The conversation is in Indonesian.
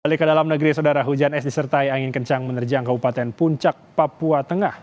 balik ke dalam negeri saudara hujan es disertai angin kencang menerjang kabupaten puncak papua tengah